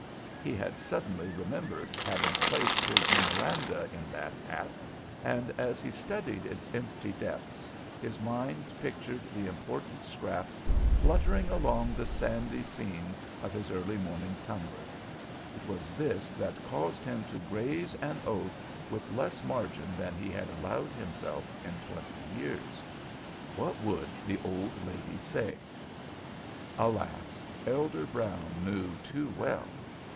He had suddenly remembered having placed his memoranda in that hat, and as he studied its empty depths his mind pictured the important scrap fluttering along the sandy scene of his early morning tumble. It was this that caused him to graze an oath with less margin that he had allowed himself in twenty years. What would the old lady say? Alas! Elder Brown knew too well.